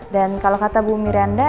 dan kalau kata bu miranda